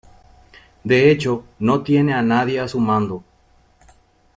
De hecho, no tiene a nadie a su mando.